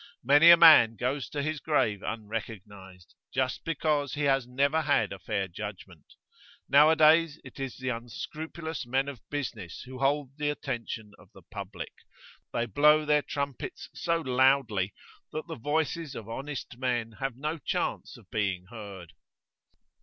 Many a man goes to his grave unrecognised, just because he has never had a fair judgment. Nowadays it is the unscrupulous men of business who hold the attention of the public; they blow their trumpets so loudly that the voices of honest men have no chance of being heard.